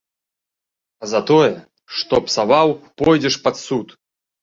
А за тое, што псаваў, пойдзеш пад суд.